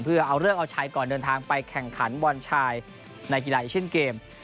เพื่อเอาเลิกเอาชัยก่อนเดินทางไปแข่งขันบอลชายในกีฬาเอเชียนเกม